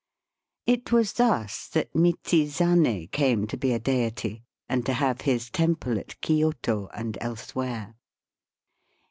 It was thus that Michizane came to be a deity, and to have his temple at Kioto and elsewhere.